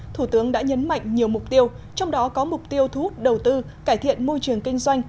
thủ tướng đã nhấn mạnh nhiều mục tiêu trong đó có mục tiêu thu hút đầu tư cải thiện môi trường kinh doanh